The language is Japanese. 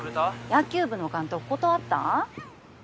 野球部の監督断ったん？